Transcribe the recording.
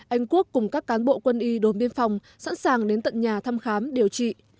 anh quốc cùng các cán bộ quân y đồn biên phòng sẵn sàng đến tận nhà thăm khám điều trị